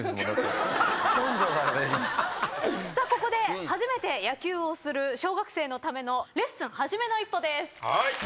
ここで初めて野球をする小学生のためのレッスンはじめの一歩です。